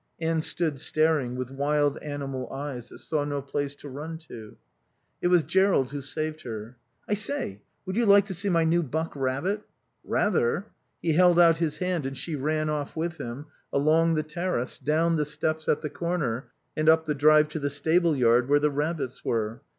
Anne stood staring, with wild animal eyes that saw no place to run to. It was Jerrold who saved her. "I say, would you like to see my new buck rabbit?" "Rather!" He held out his hand and she ran on with him, along the terrace, down the steps at the corner and up the drive to the stable yard where the rabbits were.